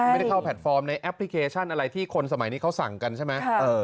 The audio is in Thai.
ไม่ได้เข้าแพลตฟอร์มในแอปพลิเคชันอะไรที่คนสมัยนี้เขาสั่งกันใช่ไหม